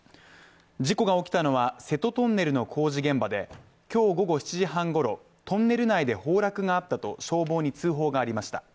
事故が起きたのは、瀬戸トンネルの工事現場で、今日午後７時半ごろ、トンネル内で崩落があったと消防に通報がありました。